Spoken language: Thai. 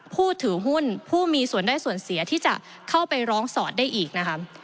ผู้ถือหุ้นผู้มีส่วนได้ส่วนเสียที่จะเข้าไปร้องสอดได้อีกนะคะ